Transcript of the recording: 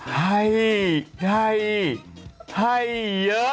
ให้ให้ให้เยอะ